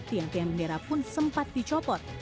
tiang tiang bendera pun sempat dicopot